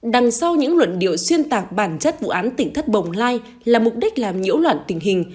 đằng sau những luận điệu xuyên tạc bản chất vụ án tỉnh thất bồng lai là mục đích làm nhiễu loạn tình hình